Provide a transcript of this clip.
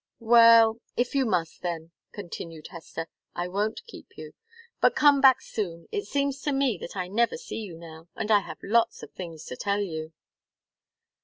"Well if you must, then," continued Hester, "I won't keep you. But come back soon. It seems to me that I never see you now and I have lots of things to tell you."